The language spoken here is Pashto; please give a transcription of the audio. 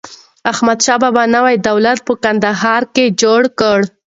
احمدشاه بابا نوی دولت په کندهار کي جوړ کړ.